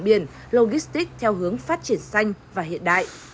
biển logistic theo hướng phát triển xanh và hiện đại